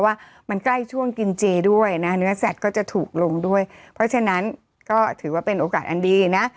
ว่ามันใกล้ช่วงกินเจด้วยนะเนื้อสัตว์ก็จะถูกลงด้วยเพราะฉะนั้นก็ถือว่าเป็นโอกาสอันดีนะ